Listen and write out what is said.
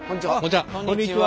こんにちは！